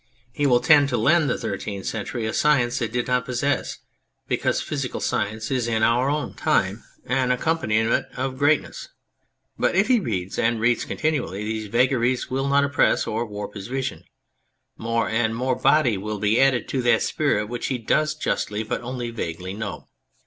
He will tend to lend the Thirteenth Century a science it did not possess, because physical science is in our own 125 On Anything time an accompaniment of greatness. But if he reads and reads continually, these vagaries will not oppress or warp his vision. More and more body will be added to that spirit which he does justly, but only vaguely, know.